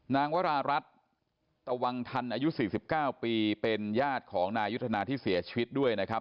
วรารัฐตะวังทันอายุ๔๙ปีเป็นญาติของนายยุทธนาที่เสียชีวิตด้วยนะครับ